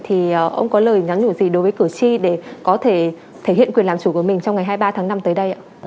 thì ông có lời nhắn nhủ gì đối với cử tri để có thể thể hiện quyền làm chủ của mình trong ngày hai mươi ba tháng năm tới đây ạ